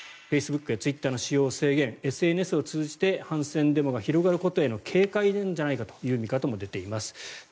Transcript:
フェイスブックやツイッターの使用を制限ＳＮＳを通じて反戦デモが広がることへの警戒ではないかという見方も出ています。